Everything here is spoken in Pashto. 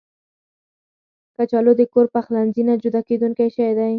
کچالو د کور پخلنځي نه جدا کېدونکی شی دی